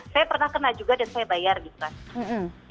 saya pernah kena juga dan saya bayar gitu kan